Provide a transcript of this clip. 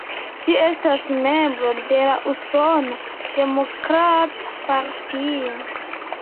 Ŝi estas membro de la Usona Demokrata Partio.